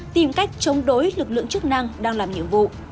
tìm cách chống đối lực lượng chức năng đang làm nhiệm vụ